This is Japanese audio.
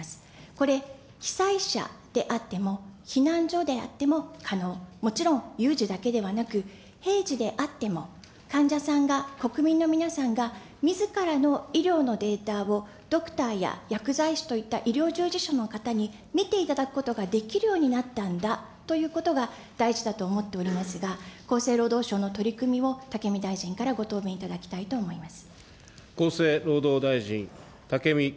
これ、被災者であっても、避難所であっても可能、もちろん有事だけではなく、平時であっても、患者さんが、国民の皆さんが、みずからの医療のデータをドクターや薬剤師といった医療従事者の方にみていただくことができるようになったんだということが、大事だと思っておりますが、厚生労働省の取り組みを武見大臣からご答弁いただきと思います。